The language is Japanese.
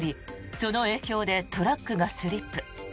その影響でトラックがスリップ。